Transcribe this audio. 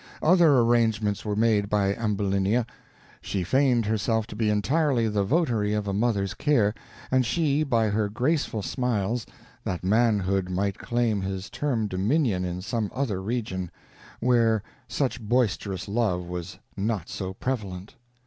Other arrangements were made by Ambulinia; she feigned herself to be entirely the votary of a mother's care, and she, by her graceful smiles, that manhood might claim his stern dominion in some other region, where such boisterous love was not so prevalent.